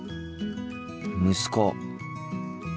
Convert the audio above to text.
息子。